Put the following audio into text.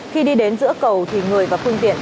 khi đi đến giữa cầu thì người và phương tiện